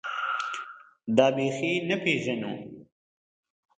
دا بېخي نه پېژنو.